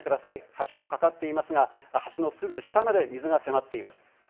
橋もかかっていますが、橋のすぐ下まで水が迫っています。